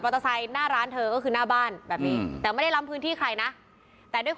เลิกเลิกเลิกเลิกเลิกเลิกเลิกเลิกเลิกเลิกเลิก